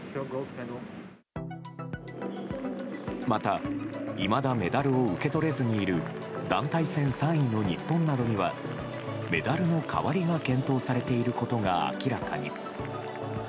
また、いまだメダルを受け取れずにいる団体戦３位の日本などにはメダルの代わりが検討されていることが明らかに。